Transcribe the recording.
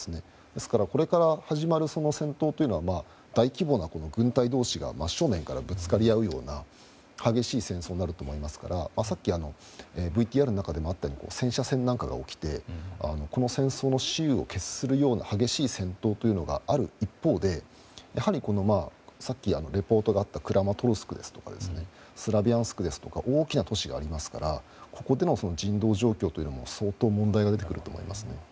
だから、これから始まる戦闘は大規模な軍隊が真正面からぶつかり合うような激しい戦闘になると思いますからさっき、ＶＴＲの中でもあったように戦車戦が起きてこの戦争の雌雄を決するような激しい戦闘というのがある一方でさっきリポートがあったクラマトルシクですとかスラビャンスクとか大きな都市がありますからここでの人道状況も問題が出てくると思います。